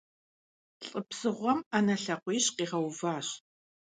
ЛӀы псыгъуэм Ӏэнэ лъакъуищ къигъэуващ.